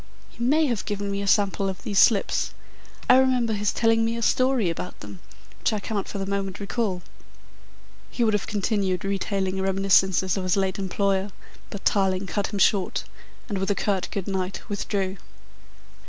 He may have given me a sample of these slips. I remember his telling me a story about them, which I cannot for the moment recall." He would have continued retailing reminiscences of his late employer, but Tarling cut him short, and with a curt good night withdrew.